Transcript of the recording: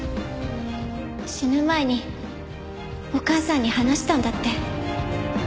死ぬ前にお母さんに話したんだって。